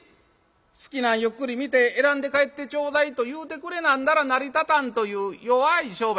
好きなんゆっくり見て選んで帰ってちょうだい』と言うてくれなんだら成り立たんという弱い商売」。